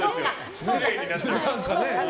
失礼になっちゃうからね。